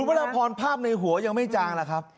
คือเวลาพรภาพในหัวยังไม่จางละครับ